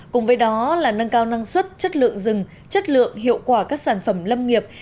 cùng với đó là nâng cao năng suất chất lượng rừng chất lượng hiệu quả các sản phẩm lâm nghiệp